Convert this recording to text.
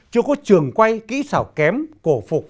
chưa có trường quay kỹ xảo kém cổ phục